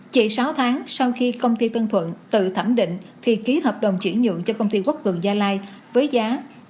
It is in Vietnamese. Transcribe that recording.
chỉ sáu tháng sau khi công ty tân thuận tự thẩm định thì ký hợp đồng chuyển nhượng cho công ty quốc cường gia lai với giá một hai trăm chín mươi